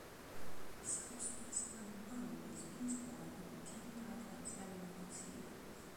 Cipes' best known role is Beast Boy in the "Teen Titans" animated series.